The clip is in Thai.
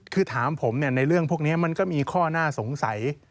คือถามผมในเรื่องพวกนี้มันก็มีข้อน่าสงสัย